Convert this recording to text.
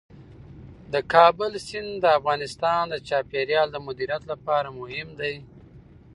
د کابل سیند د افغانستان د چاپیریال د مدیریت لپاره مهم دي.